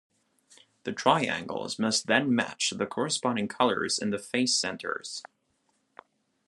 The triangles must then match the corresponding colors in the face centers.